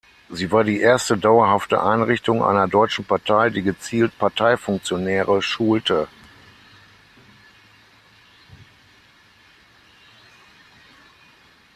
Sie war die erste dauerhafte Einrichtung einer deutschen Partei, die gezielt Parteifunktionäre schulte.